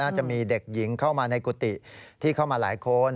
จะมีเด็กหญิงเข้ามาในกุฏิที่เข้ามาหลายคน